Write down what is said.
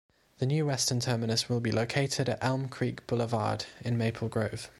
The new western terminus will be located at Elm Creek Boulevard in Maple Grove.